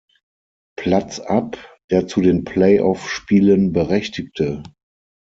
Platz ab, der zu den Play Off-Spielen berechtigte.